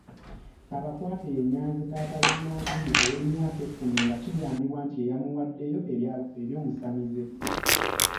Abakwate ye; Nyanzi taata wa Nantume ow’emyaka ekkumi nga kigambibwa nti ye yamuwaddeyo eri omusamize.